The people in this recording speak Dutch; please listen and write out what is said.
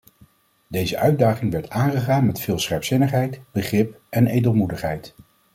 Deze uitdaging werd aangegaan met veel scherpzinnigheid, begrip en edelmoedigheid.